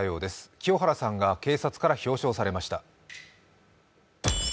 清原さんが警察から表彰されました。